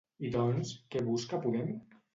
I doncs, què busca Podem?